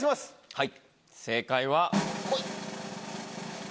はい正解は。